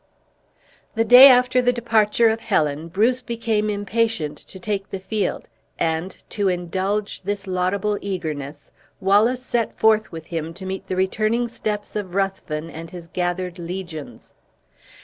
The day after the departure of Helen, Bruce became impatient to take the field; and, to indulge this laudable eagerness, Wallace set forth with him to meet the returning steps of Ruthven and his gathered legions.